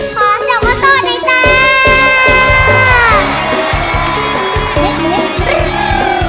ขอเสียงอธรรมดิจ้า